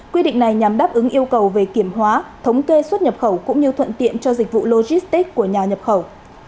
quy định này nhằm đáp ứng yêu cầu về kiểm hóa thống kê xuất nhập khẩu cũng như thuận tiện cho dịch vụ logistics của nhà nhập khẩu